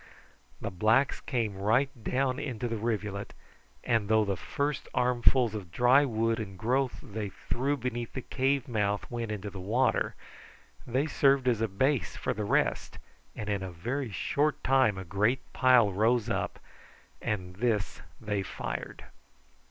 The blacks came right down into the rivulet, and though the first armfuls of dry wood and growth they threw beneath the cave mouth went into the water, they served as a base for the rest, and in a very short time a great pile rose up, and this they fired.